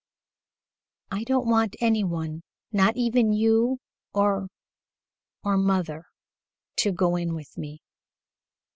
"I don't want any one not even you or or mother, to go in with me."